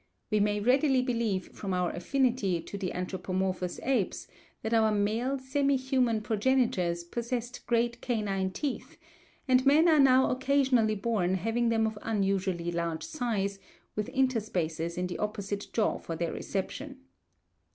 We may readily believe from our affinity to the anthropomorphous apes that our male semi human progenitors possessed great canine teeth, and men are now occasionally born having them of unusually large size, with interspaces in the opposite jaw for their reception.